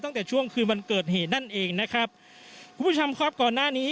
ตั้งแต่ช่วงคืนวันเกิดเหตุนั่นเองนะครับคุณผู้ชมครับก่อนหน้านี้